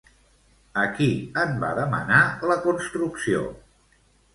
A qui en van demanar la construcció?